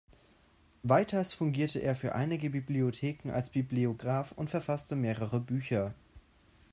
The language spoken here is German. Weiters fungierte er für einige Bibliotheken als Bibliograf und verfasste mehrere Bücher.